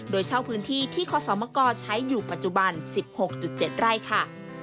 โดยเช่าพื้นที่ที่คศมกใช้อยู่ปัจจุบัน๑๖๗ไร่ค่ะ